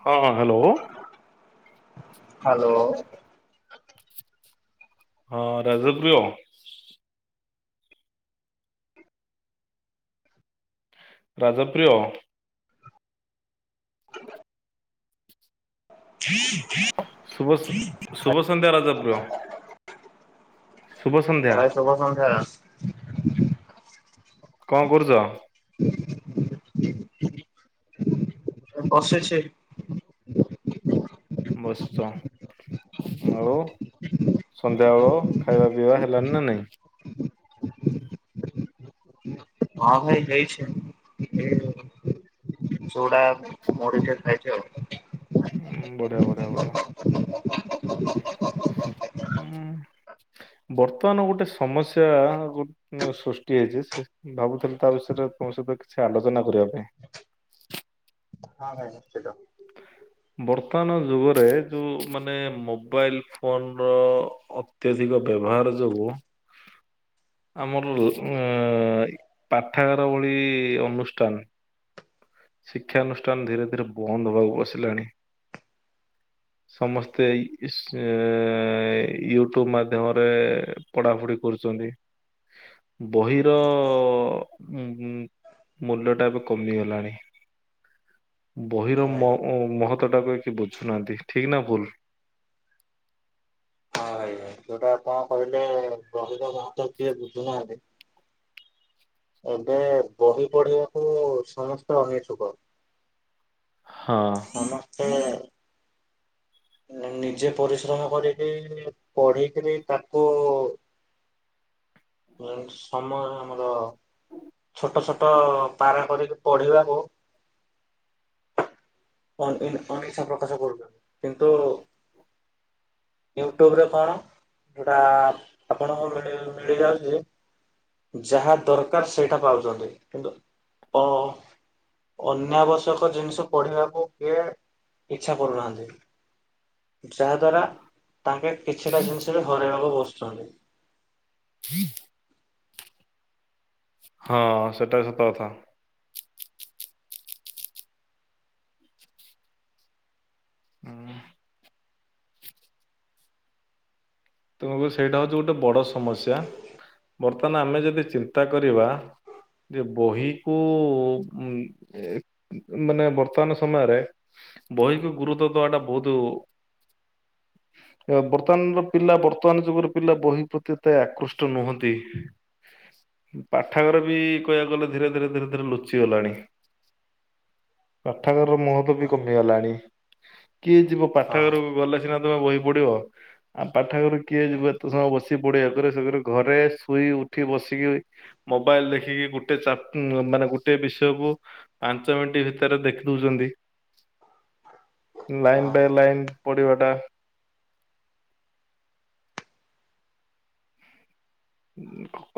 ହଁ hello. Hello. ହଁ ରାଜପ୍ରିୟ। ରାଜପ୍ରିୟ। [inaudible] ହୁଁ ହଁ ଶୁଭ ଶୁଭସନ୍ଧ୍ୟା ରାଜପ୍ରିୟ। ଶୁଭ ସନ୍ଧ୍ୟା ଭାଇ ଶୁଭ ସନ୍ଧ୍ୟା। କଣ କରୁଛ? ଏଇ ବସିଛି। ବସିଚ ଆଉୁ ସନ୍ଧ୍ୟାବେଳ ଖାଇବା ପିଇବା ହେଲାଣି ନା ନାଇଁ? ହଁ ଭାଇ ହେଇଛି [unintelligible] ଚୁଡା ମୁଢି ଟେ ଖାଇଚି ଆଉ। ହୁଁ ବଢିଆ ବଢିଆ ହୁଁ। ବର୍ତ୍ତମାନ ଗୋଟେ ସମସ୍ୟା ଗୋ ସୃଷ୍ଟି ହେଇଛି ସେ ଭାବୁଥିଲି ତା ବିଷୟରେ ତମ ସହିତ କିଛି ଆଲୋଚନା କରିବା ପାଇଁ। ହଁ ଭାଇ ନିଶ୍ଚିତ। ବର୍ତ୍ତମାନ ଯୁଗରେ ଯୋଉ ମାନେ ମୋବାଇଲ ଫୋନର ଅତ୍ୟଧିକ ବ୍ୟବହାର ଯୋଗୁଁ ଆମର ଉଁ ପାଠାଗାର ଭଳି ଅନୁଷ୍ଠାନ ଶିକ୍ଷାନୁଷ୍ଠାନ ଧୀରେ ଧୀରେ ବନ୍ଦ ହବାକୁ ବସିଲାଣି। ସମସ୍ତେ ଇସ୍ ଉଁ ୟୁଟ୍ୟୁବ ମାଧ୍ୟମରେ ପଢ଼ାପଢ଼ି କରୁଛନ୍ତି। ବହିର ମୂଲ୍ୟଟା ଏବେ କମିଗଲାଣି। ବହିର ଭାଇ ମ-ମହତ ଟା ଏବେ କେହି ବୁଝୁନାହାନ୍ତି ଠିକ ନା ଭୁଲ? ମହତ ଟା କଣ କହିଲେ ବହିର ମହତ କିଏ ବୁଝୁନାହାନ୍ତି। ଏବେ ବହି ପଢିବାକୁ ସମସ୍ତେ ଅନିଚ୍ଛୁକ। ହଁ। ସମସ୍ତେ ନିଜେ ପରିଶ୍ରମ କରିକି ପଢିକରି ତାକୁ ସମୟ ଆମର ଛୋଟ ଛୋଟ ପାରା କରିକି ପଢିବାକୁ ଅନ-ଅନଇଚ୍ଛା ପ୍ରକାଶ କରୁଛନ୍ତି କିନ୍ତୁ ୟୁଟ୍ୟୁବରେ କଣ ସେଟା ଆପଣଙ୍କୁ ମିଳି ମିଳିଯାଉଛି ଯାହା ଦରକାର ସେଇଟା ପାଉଛନ୍ତି କିନ୍ତୁ ଅ ଅନାବଶ୍ୟକ ଜିନିଷ ପଢିବାକୁ କିଏ ଇଛା କରୁନାହାନ୍ତି। ଯାହା ଦ୍ଵାରା ତାଙ୍କେ କିଛିଟା ଜିନିଷ ବି ହରାଇବାକୁ ବସୁଛନ୍ତି। ହଁ ସେଟା ସତ କଥା। ହଁ। ତୁମକୁ ସେଇଟା ହଉଛି ଗୋଟେ ବଡ ସମସ୍ୟା ବର୍ତ୍ତମାନ ଆମେ ଯଦି ଚିନ୍ତା କରିବା। ଯେ ବହିକୁ ଏ ମାନେ ବର୍ତ୍ତମାନ ସମୟରେ ବୈକୁ ଗୁରୁତ୍ୱ ଦବାଟା ବହୁତ ଅ ବର୍ତ୍ତମାନର ପିଲା ବର୍ତ୍ତମାନ ଯୁଗରେ ପିଲା ବହି ପ୍ରତି ଏତେ ଆକୃଷ୍ଟ ନୁହନ୍ତି। ପାଠଘର ବି କହିବାକୁ ଗଲେ ଧୀରେ ଧୀରେ ଧୀରେ ଧୀରେ ଲୁଚି ଗଲାଣି। ପାଠାଗାରର ମହତ୍ବ ବି ହଁ କମିଗଲାଣି କିଏ ଯିବ ହଁ ପାଠଘରକୁ ଗଲେ ସିନା ତମେ ବହି ପଢିବ। ଆମ ପାଠଗାର କିଏ ଯିବ ଏତେ ସମୟ ବସି ପଢ଼ି [unintelligible] ଘରେ ଶୋଇ ଉଠି ବସିକି ମୋବାଇଲ ଦେଖିକି ଗୋଟେ ଚାପ ମାନେ ଗୋଟେ ବିଷୟକୁ ପାଞ୍ଚ ମିନିଟ୍ ଭିତରେ ଦେଖି ଦଉଛନ୍ତି। ଲାଇନ୍ ବାଇ ଲାଇନ୍ ପଢିବା ଟା।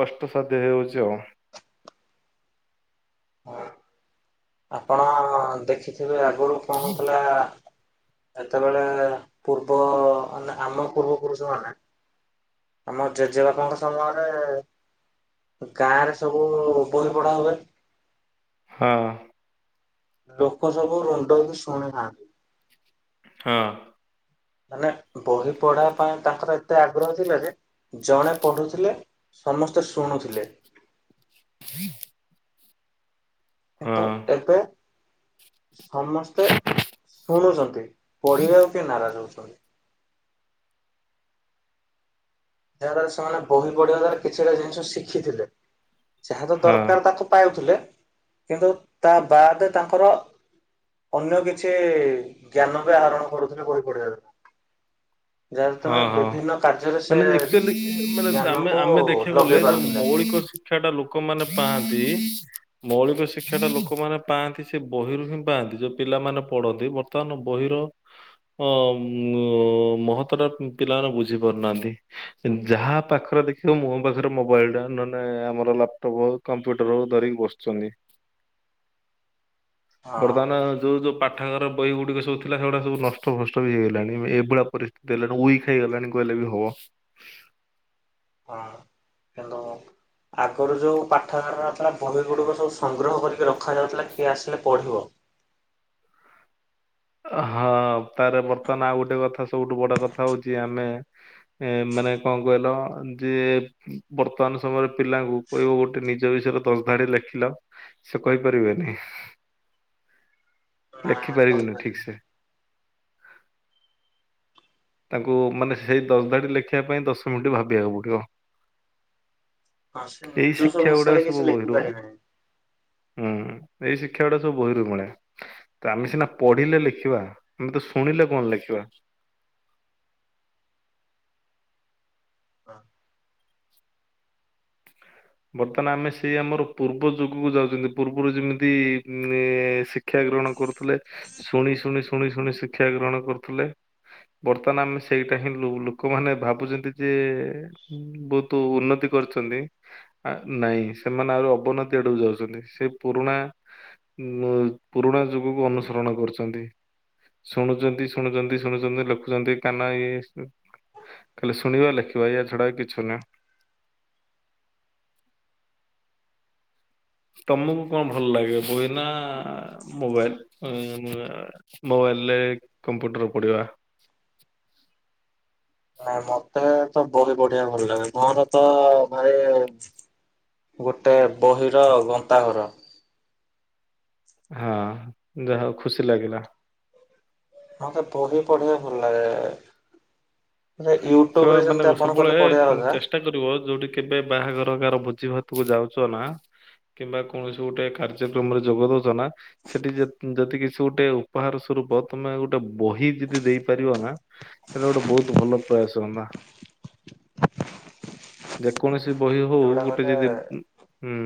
କଷ୍ଟସାଧ୍ୟ ହେଇଯାଉଛି ଆଉ। ହଁ ଆପଣ ଦେଖିଥିବେ ଆଗରୁ କଣ ହଉଥିଲା ସେତେବେଳେ ପୂର୍ବ ମାନେ ଆମ ପୂର୍ବ ପୁରୁଷ ମାନେ ଆମ ଜେଜେବାପାଙ୍କ ସମୟରେ ଗାଁରେ ସବୁ ବହି ପଢା ହୁଏ। ହଁ। ଲୋକ ସବୁ ରୁଣ୍ଡ ହେଇକି ଶୁଣିଥାନ୍ତି। ହଁ। ମାନେ ବହି ପଢା ପାଇଁ ତାଙ୍କର ଏତେ ଆଗ୍ରହ ଥିଲା ଯେ ଜଣେ ପଢୁଥିଲେ ସମସ୍ତେ ଶୁଣୁଥିଲେ। ହଁ କିନ୍ତୁ ଏବେ ସମସ୍ତେ ଶୁଣୁଚନ୍ତି। ପଢିବାକୁ କିଏ ନାରାଜ ହଉଛନ୍ ଯାହାରା ସେମାନେ ବହି ପଢିବା ଦ୍ଵାରା କିଛିଟା ଜିନିଷ ଶିଖିଥିଲେ। ଯାହା ତ ହଁ ଦରକାର ତାକୁ ପାଉଥିଲେ କିନ୍ତୁ ତା ବାଦେ ତାଙ୍କର ଅନ୍ୟ କିଛି ଜ୍ଞାନ ବି ଆହରଣ କରୁଥିଲେ ବହି ପଢିବାରୁ। ଯାହାରୁ ତମେ ହଁ ହଁ। ବିଭିନ୍ନ କାର୍ଯ୍ୟରେ ସି ମାନେ ଯେ ଏତେ ଲେ [inaudible] ମାନେ ତ ଆମେ ଆମେ ଦେଖିଆକୁ ଲଗେଇ ଗଲେ ଯୋଉ ପାରୁଥିଲେ ମୌଳିକ ଶି କ୍ଷାଟା ଲୋକମାନେ ପାଆନ୍ତି ମୌଳିକ ଶିକ୍ଷାଟା ଲୋକମାନେ ପାଆନ୍ତି ସିଏ ବହିରୁ ହିଁ ପାଆନ୍ତି ଯୋଉ ପିଲାମାନେ ପଢନ୍ତି ବର୍ତ୍ ତମାନ ବହିର ଅ ଉଁ ଅ ମହତ୍ ତ୍ୱଟା ଉଁ ପିଲାମାନେ ବୁଝି ପାରୁନାହାନ୍ତି। ଯାହା ପାଖରେ ଦେଖିବ ମୁହଁ ପାଖେରେ ମୋବାଇଲଟା ନହେନେ ଆମର ଲାପଟପ କମ୍ପ୍ୟୁଟର ହଉ ଧରିକି ବସୁଚନ୍ତି। ବର୍ଦାନା ହଁ। ଯୋଉ ଯୋଉ ପାଠାଗାର ବହିଗୁଡିକ ସବୁ ଥିଲା ସେଗୁଡା ସବୁ ନଷ୍ଟ ଭଷ୍ଟ ବି ହେଇଗଲାଣି ଏଭଳିଆ ପରିସ୍ତିତି ହେଲାଣି ଉଇ ଫେଇଗଲାଣି କଇଲେ ବି ହବ। ହଁ କିନ୍ତୁ ଆଗରୁ ଯୋଉଁ ପାଠାଗାରରା ଥିଲା ବହିଗୁଡିକ ସବୁ ସଂଗ୍ରହ କରିକି ରଖାଯାଉଥିଲା କିଏ ଆସିଲେ ପଢିବ। ଅ ହଁ ତାପରେ ବର୍ତ୍ତମାନ ଆଉ ଗୋଟେ କଥା ସବୁଠୁ ବଡ କଥା ହଉଚି ଆମେ ଏଁ ମାନେ କଁ କଇଲ ଯିଏ ବର୍ତ୍ତମାନ ସମୟରେ ପିଲାଙ୍କୁ କହିବ ଗୋଟେ ନିଜ ବିଷୟରେ ଦଶ ଧାଡି ଲେଖିଲ ସେ କହିପାରିବେନି। ନା ଲେଖିପାରିବେନି କହିପାରିବେନି ଠିକ୍ ସେ। ତାଙ୍କୁ ମାନେ ସେଇ ଦଶ ଧାଡି ଲେଖିବା ପାଇଁ ଦଶ ମିଣ୍ଟି ଭାବିଆକୁ ପଡିବ‌। ହଁ ସେ ଏଇ ନିଜସ୍ୱ ଶିକ୍ଷା ଗୁଡା ଭାଷାରେ ସବୁ କିଛି ଲେଖି ବହିରୁ ହୁଁ ପାରିବେନି। ଏଇ ଶିକ୍ଷାଗୁଡା ସବୁ ବହିରୁ ମିଳେ। ତ ଆମେ ସିନା ପଢିଲେ ଲେଖିବା ଆମେ ତ ଶୁଣିଲେ କଣ ଲେଖିବା? ବର୍ତ୍ତମାନ ଆମେ ସେଇ ଆମର ପୂର୍ବ ଯୁଗୁକୁ ଯାଉଚନ୍ତି ପୂର୍ବରୁ ଯେମିତି ଉଁ ଏ ଶି କ୍ଷା ଗ୍ରହଣ କରୁଥୁଲେ ଶୁଣି ଶୁଣି ଶୁଣି ଶୁଣି ଶିକ୍ଷା ଗ୍ରହଣ କରୁଥୁଲେ। ବର୍ତ୍ତମାନ ଆମେ ସେଇଟା ହିଁ ଲୁ ଲୁକମାନେ ଭାବୁଚନ୍ତି ଯେ ଉଁ ବୋହୁତ ଉନ୍ନତି କରିଛନ୍ତି। ଆ ନାଇଁ ସେମାନେ ଆଉରି ଅବନ୍ନତି ଆଡୁକୁ ଯାଉଛନ୍ତି ସେ ପୁରୁଣା ନୂ ପୁରୁଣା ଯୁଗୁକୁ ଅନୁସରଣ କରୁଛନ୍ତି। ଶୁଣୁଚନ୍ତି ଶୁଣୁଚନ୍ତି ଶୁଣୁଚନ୍ତି ଲେଖୁଚନ୍ତି କାନ ଇଏ ସିଏ ଖାଲି ଶୁଣିବ ଲେଖିବ ଏଇଆ ଛଡା ଆଉ କିଛି ନା। ତମକୁ କଁ ଭଲ ଲାଗେ ବହି ନା ମୋବାଇଲ୍ ଉଁ ମୁଁ ଆ ମୋବାଇଲଲେ କମ୍ପୁଟର ପଢିବା। ନାଇଁ ମତେ ତ ବହି ପଢିବା ଭଲ ଲାଗେ ମୋର ତ ଭାଇ ଗୋଟେ ବହିର ଗନ୍ତାଘର। ହଁ ଯାହା ହଉ ଖୁସି ଲାଗିଲା। ହଁ ପ୍ରଥମରୁ ହିଁ ପଢିବା ଭଲ ଲାଗେ। [unintelligible] ୟୁଟୁବରେ ଯେମତି ଆପଣ କହିଲେ ପଢିବା କଥା ଟା କରିବ ଯୋଉଠି କେବେ ବାହାଘର କାହାର ଭୋଜି ଭାତୁକୁ ଯାଉଚ ନା କିମ୍ବା କୌଣସି ଗୋଟେ କାର୍ଯ୍ୟକ୍ରମରେ ଯୋଗ ଦଉଛ ନା। ସେଠି ଯ ଯଦି କିଛି ଗୋଟେ ଉପହାର ସ୍ୱରୂପ ତମେ ଗୋଟେ ବହି ଯଦି ଦେଇପାରିବ ନା ତାହେଲେ ଗୋଟେ ବହୁତ୍ ଭଲ ପ୍ରୟାସ ହୁଅନ୍ତା। ଯେକୌଣସି ବହି ହଉ ଯୋଉଟା ଗୋଟେ କହିଲେ ଯଦି ଉଁ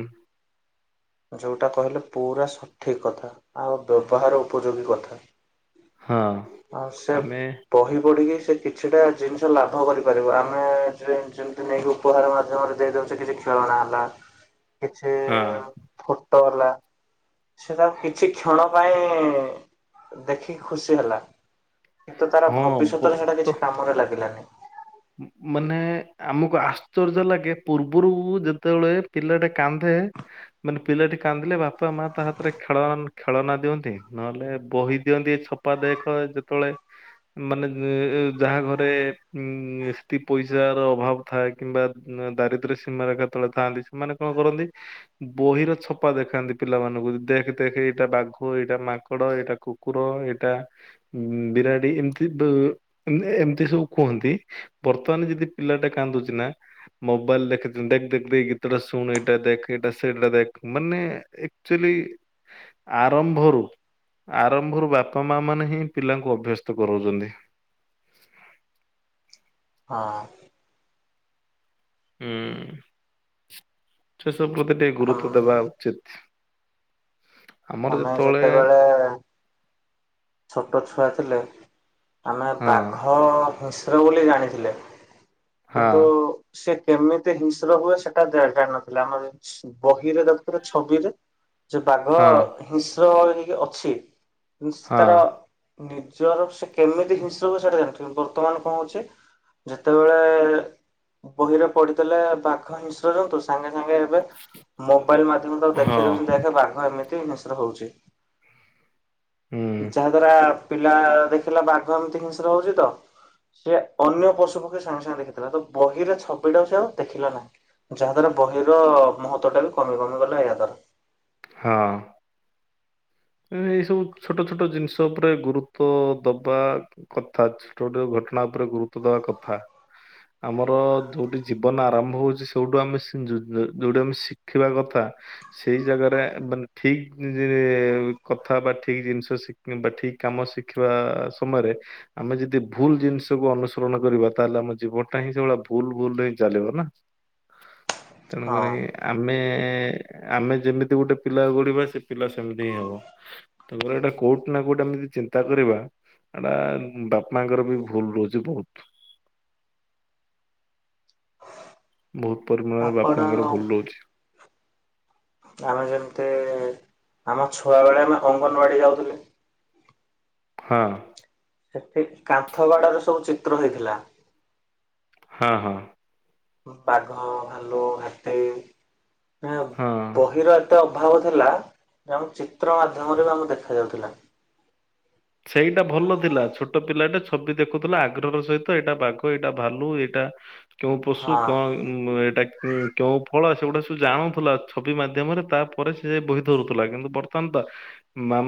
ଯୋଉଟା କହିଲେ ପୁରା ସଠିକ୍ କଥା ଆଉ ବ୍ୟବହାର ଉପଯୋଗୀ କଥା। ହଁ। ଆଉ ସେ ଆମେ ବହି ପଢ଼ିକି ସେ କିଛିଟା ଜିନିଷ ଲାଭ କରିପାରିବ ଆମେ ଯେ ଯେମିତି ନେଇକି ଉପହାର ମାଧ୍ୟମରେ ଦେଇ ଦଉଚେ କିଛି ଖେଳନା ହେଲା। କିଛି ହଁ ଫଟୋ ହେଲା। ସେଟା କିଛି କ୍ଷଣ ପାଇଁ ଦେଖିକି ଖୁସି ହେଲା। କିନ୍ତୁ ତାର ହଁ ଭବିଷ୍ୟତରେ ସେଟା ବର୍ତ୍ତ କିଛି କାମରେ ଲାଗିଲାନି। ମାନେ ଆମକୁ ଆଶ୍ଚର୍ଯ୍ୟ ଲାଗେ ପୂର୍ବରୁ ଯେତେବେଳେ ପିଲାଟା କାନ୍ଦେ ମାନେ ପିଲାଟି କାନ୍ଦିଲେ ବାପା ମା ତା ହାତରେ ଖେଳ ଖେଳନା ଦିଅନ୍ତି ନହେଲେ ବହି ଦିଅନ୍ତି ଛ ଛପା ଦେଖ ଯେତେବେଳେ ମାନେ ଉଁ ଉଁ ଯାହା ଘରେ ଉଁ [unintelligible] ପଇସା ର ଅଭାବ ଥାଏ କିମ୍ବା ଦାରିଦ୍ର୍ୟ ସୀମାରେଖା ତଳେ ଥାଆନ୍ତି ସେମାନେ କଣ କରନ୍ତି ବହିର ଛପା ଦେଖାନ୍ତି ପିଲାମାନଙ୍କୁ ଦେଖେ ଦେଖେ ଏଇଟା ବାଘ ଏଇଟା ମାଙ୍କଡ଼ ଏଇଟା କୁ କୁକୁର ଏଇଟା ବିରାଡ଼ି ଏମିତି ବି ଏମିତି ସବୁ କୁହନ୍ତି। ବର୍ତ୍ତମାନ ଯଦି ପିଲାଟା କାନ୍ଦୁଚି ନା ମୋବାଇଲ୍ ଦେଖଇ ଦିଅନ୍ତି ଦେଖେ ଦେଖେ ତୁ ଏଇ ଗୀତ ଟା ଶୁଣୁ ଏଇଟା ଦେଖେ ଏଇଟା ସେଇଟା ଦେଖେ ମାନେ ଆକଚ୍ୟୁଲି ଆରମ୍ଭରୁ ଆରମ୍ଭରୁ ବାପା ମା ମାନେ ହିଁ ପିଲାଙ୍କୁ ଅଭ୍ୟସ୍ତ କରାଉଚନ୍ତି। ହଁ। ହୁଁ ସେ ସବୁ ପ୍ରତି ଟିକେ ଗୁରୁତ୍ୱ ଦେବା ଉଚିତ୍। ଆମର ଯେତେବେଳେ ଛୋଟ ଛୁଆ ଥିଲେ ଆମେ ବାଘ ହଁ ହିଂସ୍ର ବୋଲି ଜାଣିଥିଲେ ହଁ କିନ୍ତୁ ସେ କେମିତି ହିଂସ୍ର ହୁଏ ସେଟା ଜା ଜାଣିନଥିଲେ ଆମର ବହିରେ ଦେଖୁଥିଲେ ଛବିରେ। ଯୋଉ ବାଘ ହଁ ହିଂସ୍ର ଅଛି ହଁ ତାର ନିଜର ସେ କେମିତି ହିଂସ୍ର ହୁଏ ସେଟା ଜାଣିଥିବେ ବର୍ତ୍ତମାନ କଣ ହଉଛି ଯେତେବେଳେ ବହିରେ ପଢ଼ିଥିଲେ ବାଘ ହିଂସ୍ର ଜନ୍ତୁ ସାଙ୍ଗେ ସାଙ୍ଗେ ଏବେ ମୋବାଇଲ ମାଧ୍ୟମରେ ତାକୁ ହଁ ଦେଖେଇ ଦଉଛନ୍ତି ଦେଖ ବାଘ ଏମିତି ହିଂସ୍ର ହଉଚି। ହୁଁ ଯାହା ଦ୍ଵାରା ପିଲା ଦେଖିଲା ବାଘ ଏମିତି ହିଂସ୍ର ହଉଛି ତ। ସେ ଅନ୍ୟ ପଶୁ ପକ୍ଷୀ ସାଙ୍ଗେ ସାଙ୍ଗେ ଦେଖିଦେଲା ତ ବହିରେ ଛବିଟାକୁ ସେ ଆଉ ଦେଖିଲା ନାହିଁ। ଯାହା ଦ୍ଵାରା ବହି ର ମହତ୍ଵ ଟା ବି କମି କମି ଗଲା ଏହା ଦ୍ବାରା। ହଁ। ମାନେ ଏଇ ସବୁ ଛୋଟ ଛୋଟ ଜିନିଷ ଉପରେ ଗୁରୁତ୍ଵ ଦବା କଥା ଛୋଟ ଛୋଟ ଘଟଣା ଉପରେ ଗୁରୁତ୍ବ ଦବା କଥା। ଆମର ଯୋଉଠି ଜୀବନ ଆରମ୍ଭ ହଉଛି ସେଇଠୁ ଆମେ [unintelligible] ଯୋଉଠି ଆମେ ଶିଖିବା କଥା। ସେଇ ଜାଗାରେ ମାନେ ଠିକ୍ ରେ କଥା ହେବା ଠିକ୍ ଜିନିଷ ଶି ବା ଠିକ୍ କାମ ଶିଖିବା ସମୟରେ ଆମେ ଯଦି ଭୁଲ୍ ଜିନିଷକୁ ଅନୁସରଣ କରିବା ତାହେଲେ ଆମ ଜୀବନଟା ହିଁ ସେଭଳିଆ ଭୁଲ୍ ଭୁଲ୍ ରେ ହିଁ ଚାଲିବ ନା। ତେଣୁ କରି ହଁ। ଆମେ ଆମେ ଯେମିତି ଗୋଟେ ପିଲାକୁ ଗଢ଼ିବା ସେ ପିଲା ସେମିତି ହିଁ ହବ। ତାଙ୍କର ଏଇଟା କୋଉଠି ନା କୋଉଠି ଆମେ ଯଦି ଚିନ୍ତା କରିବା ଏଟା ବାପା ମା ଙ୍କର ବି ଭୁଲ୍ ରହୁଛି ବହୁତ୍। ବହୁତ୍ ପରିମାଣରେ ବାପା ପାପଡ଼ ମା ଙ୍କର ଭୁଲ୍ ରହୁଛି। ଆମେ ଯେମିତି ଆମ ଛୁଆ ବେଳେ ଆମେ ଅଙ୍ଗନବାଡ଼ି ଯାଉଥିଲୁ। ହଁ। ସେଠି କାନ୍ଥ ଵାଡରେ ସବୁ ଚିତ୍ର ହେଇଥିଲା! ହଁ ହଁ! ପାଘ ଭାଲୁ ହାତୀ ନା ହଁ। ବହିର ଏତେ ଅଭାବ ଥିଲା ଯେ ଆମ ଚିତ୍ର ମାଧ୍ୟମରେ ବି ଆମକୁ ଦେଖ ଯାଉଥିଲା! ସେଇଟା ଭଲ ଥିଲା ଛୋଟ ପିଲାଟେ ଛବି ଦେଖୁଥିଲା ଆଗ୍ରହର ସହିତ ଏଇଟା ବାଘ ଏଇଟା ଭାଲୁ ଏଇଟା କେଉଁ ପଶୁ ହଁ କଣ ଉ ଏଇଟା କେକେଉଁ ଫଳ ସେଗୁଡ଼ା ସବୁ ଜାଣୁଥିଲା ଛବି ମାଧ୍ୟମରେ ତା ପରେ ସେ ବହି ଧରୁଥିଲା କିନ୍ତୁ ବର୍ତ୍ତମାନ ତ ମା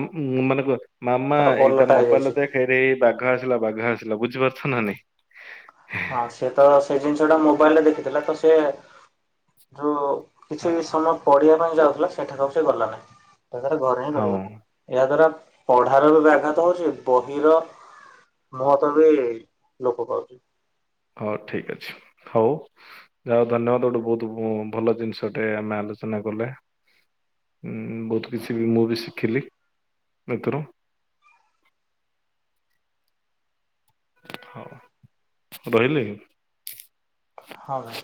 ମାନେ କୁଅ ମାମା ତାର ଓଲଟା ମୋବାଇଲରେ ହେଇଯାଇଛି। ଦେଖେରେ ବାଘ ଆସିଲା ବାଘ ଆସିଲା ବୁଝିପାରୁଛ ନା ନାଇଁ? ହଁ ସେ ତ ସେ ଜିନିଷ ଟା ମୋବାଇଲ ରେ ଦେଖିଦେଲା ତ ସେ ଯୋଉ କିଛିବି ସମୟ ପଡ଼ିବା ପାଇଁ ଯାଉଥିଲା ସେଠା କୁଆଉ ସେ ଗଲା ନାହିଁ ତାପରେ ଘରେ ହିଁ ହଁ ରହିଗଲା! ଏହା ଦ୍ଵାରା ପଢାର ବି ବ୍ୟାଘାତ ହଉଛି ବହି ର ମହତ୍ଵ ବି ଲୋପ ପାଉଛି! ହଉ ଠିକ ଅଛି ହଉ! ଜାହା ହଉ ଧନ୍ୟବାଦ ଗୋଟେ ବହୁତ ଭଲ ଜିନିଷଟେ ଆମେ ଆଲୋଚନା କଲେ! ଉ ବହୁତ କିଛି ବି ମୁଁ ବି ଶିଖିଲି ଏଥିରୁ। ହଉ ରହିଲି ହଁ ଭାଇ